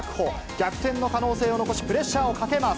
逆転の可能性を残し、プレッシャーをかけます。